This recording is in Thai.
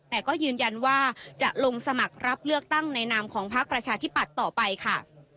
แต่ก็ยืนยันว่าจะลงสมัครรับเลือกตั้งในนามของพักประชาธิปัตย์ต่อไปค่ะ